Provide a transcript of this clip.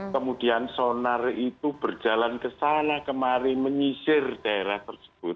kemudian sonar itu berjalan ke sana kemari menyisir daerah tersebut